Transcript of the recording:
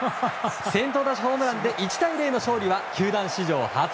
先頭打者ホームランで１対０の勝利は球団史上初。